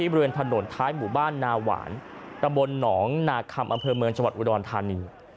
บริเวณถนนท้ายหมู่บ้านนาหวานตะบนหนองนาคำอำเภอเมืองจังหวัดอุดรธานี